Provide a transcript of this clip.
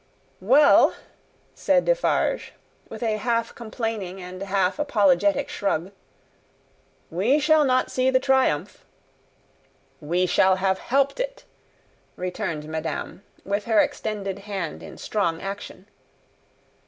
"Well!" said Defarge, with a half complaining and half apologetic shrug. "We shall not see the triumph." "We shall have helped it," returned madame, with her extended hand in strong action.